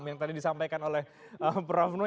yang tadi disampaikan oleh prof no